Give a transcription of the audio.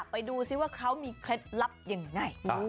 ไปดูซิว่าเขามีเคล็ดลับยังไง